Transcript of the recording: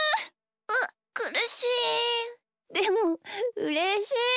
うっくるしいでもうれしい！